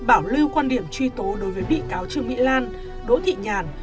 bảo lưu quan điểm truy tố đối với bị cáo trương mỹ lan đỗ thị nhàn